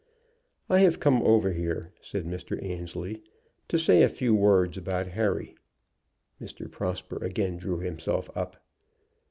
"I have come over here," said Mr. Annesley, "to say a few words about Harry." Mr. Prosper again drew himself up.